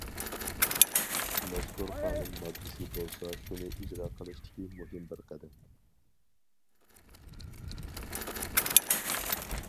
مەزكۇر قانۇن ماددىسى بولسا شۇنى ئىجرا قىلىشتىكى مۇھىم بىر قەدەم.